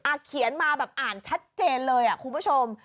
เขียนมาแบบอ่านชัดเจนเลยอ่ะคุณผู้ชม